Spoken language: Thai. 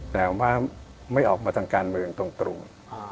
แต่ว่าไม่ออกมาทางการเมืองตรง